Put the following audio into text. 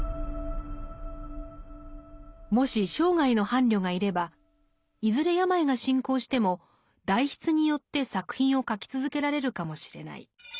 もし生涯の伴侶がいればいずれ病が進行しても代筆によって作品を書き続けられるかもしれない。